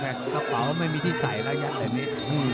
แต่กระเป๋าไม่มีที่ใส่แล้วยัดแบบนี้